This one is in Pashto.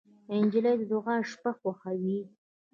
نجلۍ د دعا شپه خوښوي.